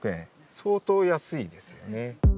相当安いですよね。